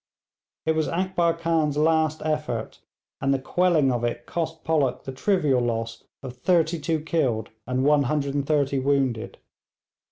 It was Akbar Khan's last effort, and the quelling of it cost Pollock the trivial loss of thirty two killed and 130 wounded.